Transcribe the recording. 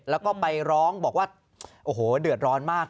แล้วก็ไปร้องบอกว่าโอ้โหเดือดร้อนมาก